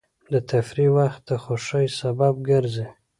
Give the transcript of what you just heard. د تفریح وخت د خوښۍ سبب ګرځي.